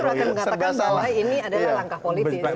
jadi mereka mengatakan bahwa ini adalah langkah politik